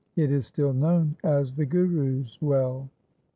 It is still known as the Guru's well.